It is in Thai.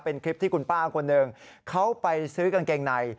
เป็นคลิปที่คุณป้าคนหนึ่งเขาไปซื้อกางเกงใน